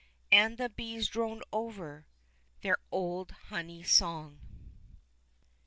And the bees droned over Their old honey song.